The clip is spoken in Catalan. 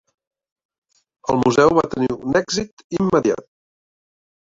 El museu va tenir un èxit immediat.